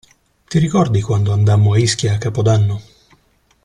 Ti ricordi quando andammo a Ischia a Capodanno?